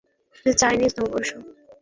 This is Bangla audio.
এটা চাইনিজ নববর্ষ!